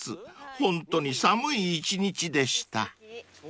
ホントに寒い一日でした］